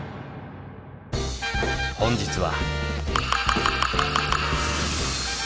本日は。